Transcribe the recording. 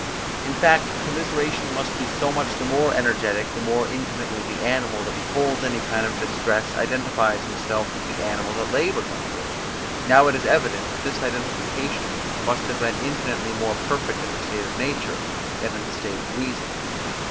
In fact, commiseration must be so much the more energetic, the more intimately the animal, that beholds any kind of distress, identifies himself with the animal that labours under it. Now it is evident that this identification must have been infinitely more perfect in the state of nature than in the state of reason.